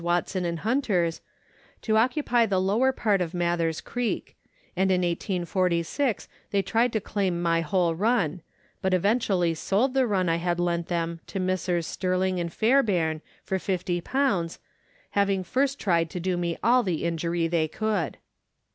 Watson and Hunter's, to occupy the lower part of Mather's Creek, and in 1846 they tried to claim my whole run, but eventually sold the run I had lent them to Messrs. Stirling and Fairbairn for 50, having first tried to do me all the injury they could.